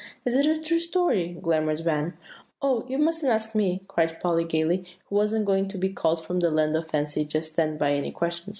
"Is it a true story?" clamored Van. "Oh, you mustn't ask me!" cried Polly gayly, who wasn't going to be called from the land of Fancy just then by any question.